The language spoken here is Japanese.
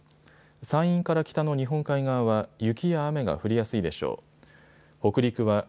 山陰から北の日本海側は雪や雨が降りやすいでしょう。